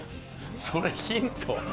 それヒント？